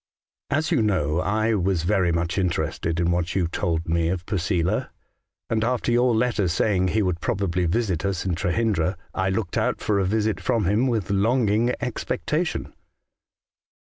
"As you know, I was very much interested in what you told me of Posela ; and after your letter saying he probably would visit us in Trehyndra, I looked out for a visit from him with longing expectation.